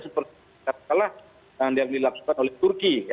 seperti yang dilihatkan oleh turki